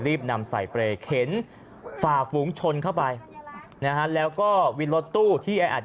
รีบนำใส่เปลแขนฝาฟูงชนเข้าไปแล้วก็วินรถตู้ที่แอด